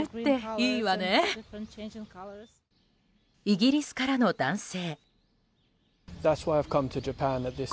イギリスからの男性。